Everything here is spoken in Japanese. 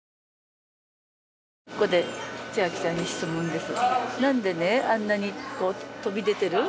ここで千晶ちゃんに質問です。